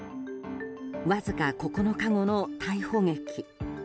わずか９日後の逮捕劇。